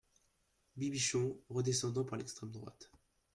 Bibichon, redescendant par l'extrême droite.